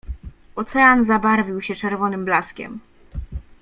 "Ocean zabarwił się czerwonym blaskiem."